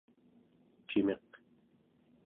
cimiq